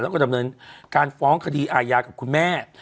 แล้วก็ดำเนินการฟ้องคดีอาญากับคุณแม่